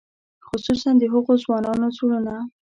خصوصاً د هغو ځوانانو زړونه.